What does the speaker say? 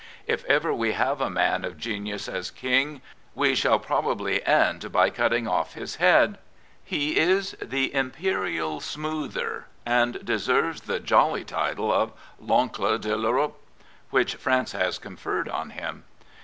If ever we have a man of genius as King, we shall probably end by cutting off his head. He is the Imperial smoother, and deserves the jolly title of " L'onde de I'Europe " which France has conferred on Hm.